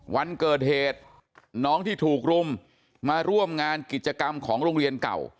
วันเกิดเหตุน้องที่ถูกรุมมาร่วมงานกิจกรรมของโรงเรียนเก่า